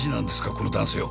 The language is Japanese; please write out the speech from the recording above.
この男性を。